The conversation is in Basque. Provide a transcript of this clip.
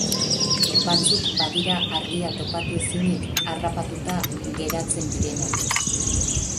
Batzuk badira argia topatu ezinik harrapatuta geratzen direnak.